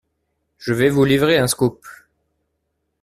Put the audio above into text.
Je vais vous livrer un scoop.